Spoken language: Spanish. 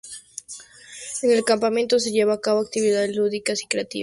En el campamento se llevan a cabo actividades lúdicas y recreativas.